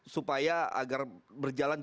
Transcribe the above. supaya agar berjalan